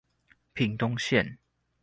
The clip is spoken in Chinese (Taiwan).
屏東縣